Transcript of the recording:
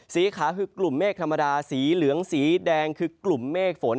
สีขาวคือกลุ่มเมฆธรรมดาสีเหลืองสีแดงคือกลุ่มเมฆฝน